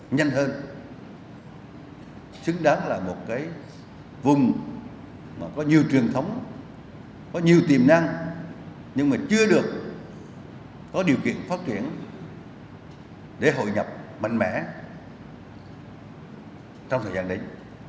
nhanh hơn xứng đáng là một cái vùng mà có nhiều truyền thống có nhiều tiềm năng nhưng mà chưa được có điều kiện phát triển để hội nhập mạnh mẽ trong thời gian đấy